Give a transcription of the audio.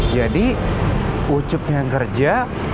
jadi ucup yang kerja